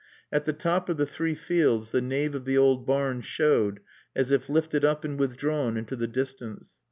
At the top of the Three Fields the nave of the old barn showed as if lifted up and withdrawn into the distance.